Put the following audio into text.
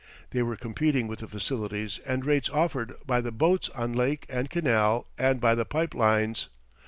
They were competing with the facilities and rates offered by the boats on lake and canal and by the pipe lines.